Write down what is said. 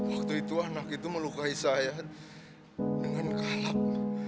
waktu itu anak itu melukai saya dengan kalap